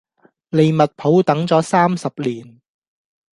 利物浦等咗三十年